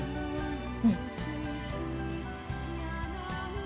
うん。